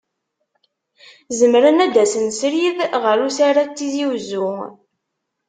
Zemren ad d-asen srid ɣer usarra n Tizi Uzzu.